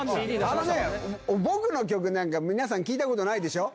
あのね、僕の曲なんか、皆さん聴いたことないでしょう？